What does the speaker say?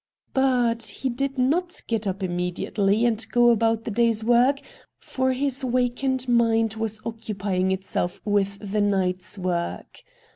But he did not get up immediately and go about the day's work, for his wakened mind was occu pying itself with the night's work.